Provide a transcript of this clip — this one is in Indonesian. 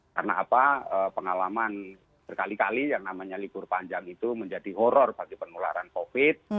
karena apa pengalaman berkali kali yang namanya libur panjang itu menjadi horror bagi penularan covid